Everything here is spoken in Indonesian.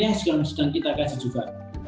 nah ini yang sudah kita kasih juga